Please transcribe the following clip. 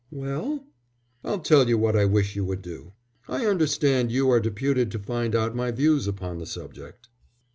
"Well?" "I'll tell you what I wish you would do. I understand you are deputed to find out my views upon the subject."